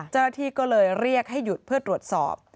เจ้าหน้าที่ก็เลยเรียกให้หยุดเพื่อตรวจสอบ